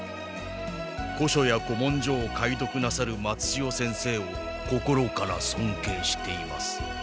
古書や古文書を解読なさる松千代先生を心からそんけいしています。